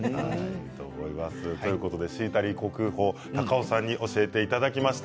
シータリー呼吸法高尾さんに教えていただきました。